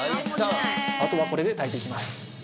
あとはこれで炊いていきます。